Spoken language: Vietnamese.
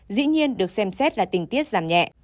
dĩ nhiên được xem xét là tình tiết giảm nhẹ